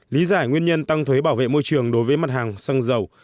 lý giải nguyên nhân tăng thuế bảo vệ môi trường đối với mặt hàng xăng dầu